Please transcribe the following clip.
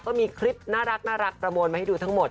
ก็มีคลิปน่ารักประมวลมาให้ดูทั้งหมด